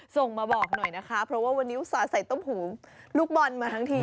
ส่งมาบอกหน่อยนะคะเพราะว่าวันนี้อุตส่าห์ใส่ต้มหูลูกบอลมาทั้งที